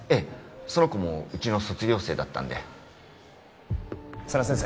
その子もうちの卒業生だったんで佐田先生